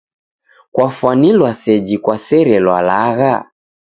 Kwafwanilwa seji kwaserelwa lagha.